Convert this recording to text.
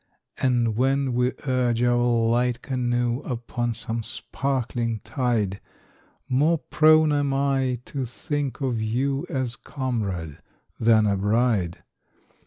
And when we urge our light canoe Upon some sparkling tide, More prone am I to think of you As comrade than as bride.